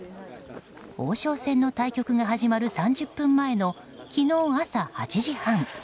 王将戦の対局が始まる３０分前の昨日朝８時半。